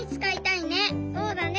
そうだね。